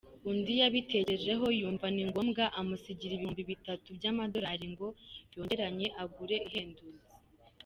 Undi yabitekerejeho yumva ni ngombwa amusigira ibihumbi bitatu by’amadolari ngo yongeranye agure ihendutse”.